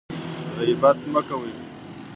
غیبت مه کوئ